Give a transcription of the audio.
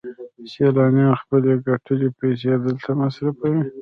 سیلانیان خپلې ګټلې پیسې دلته مصرفوي